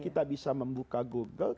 kita bisa membuka google